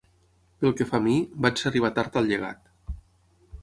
Pel que fa a mi, vaig arribar tard al llegat.